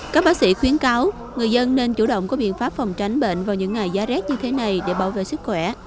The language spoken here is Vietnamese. các bác sĩ khuyến cáo người dân nên chủ động có biện pháp phòng tránh bệnh vào những ngày giá rét như thế này để bảo vệ sức khỏe